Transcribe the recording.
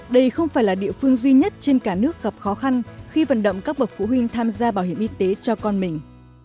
đây không phải là địa phương duy nhất trên cả nước gặp khó khăn khi vận động các bậc phụ huynh tham gia bảo hiểm y tế cho con mình